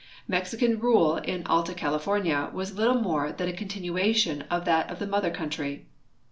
Mex ican rule in Alta California was little more than a continuation of that of the mother country.